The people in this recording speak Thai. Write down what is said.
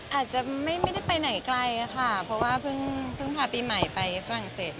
อาจจะไม่ได้ไปไหนไกลค่ะเพราะว่าเพิ่งพาปีใหม่ไปฝรั่งเศส